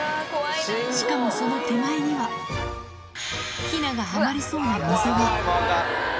しかもその手前には、ヒナがはまりそうな溝が。